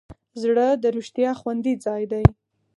زړه د رښتیا خوندي ځای دی.